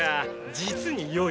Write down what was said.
実に良い！